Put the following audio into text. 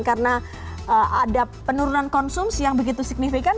karena ada penurunan konsumsi yang begitu signifikan